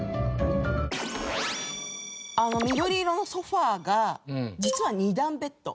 あの緑色のソファが実は二段ベッド。